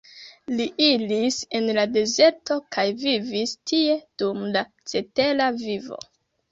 Li iris en la dezerton kaj vivis tie dum la cetera vivo.